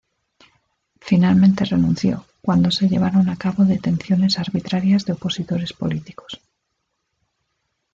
Finalmente renunció cuando se llevaron a cabo detenciones arbitrarias de opositores políticos.